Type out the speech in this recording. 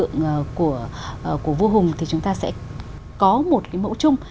hình tượng của vua hùng thì chúng ta sẽ có một cái mẫu chung